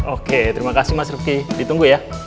oke terima kasih mas rufki ditunggu ya